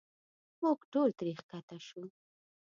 موږ ټول ترې ښکته شو.